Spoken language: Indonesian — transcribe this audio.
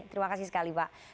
terima kasih sekali pak